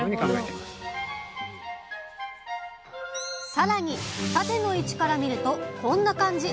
さらに縦の位置から見るとこんな感じ。